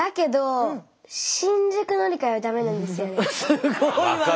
すごいわね。